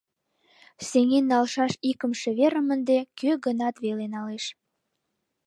Сеҥен налшаш икымше верым ынде кӧ-гынат весе налеш.